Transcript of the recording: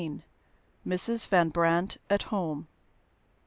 MRS. VAN BRANDT AT HOME.